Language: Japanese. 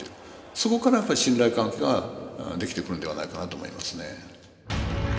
そこからやっぱ信頼関係が出来てくるのではないかなと思いますね。